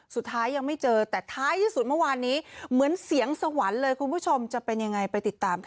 สุดท้ายยังไม่เจอแต่ท้ายที่สุดเมื่อวานนี้เหมือนเสียงสวรรค์เลยคุณผู้ชมจะเป็นยังไงไปติดตามค่ะ